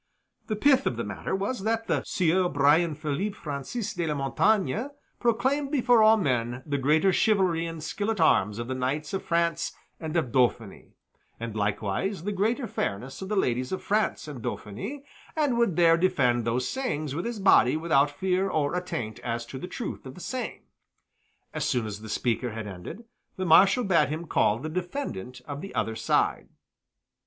The pith of the matter was that the Sieur Brian Philip Francis de la Montaigne proclaimed before all men the greater chivalry and skill at arms of the knights of France and of Dauphiny, and likewise the greater fairness of the ladies of France and Dauphiny, and would there defend those sayings with his body without fear or attaint as to the truth of the same. As soon as the speaker had ended, the Marshal bade him call the defendant of the other side.